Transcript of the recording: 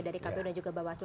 dari kpu dan juga bawaslu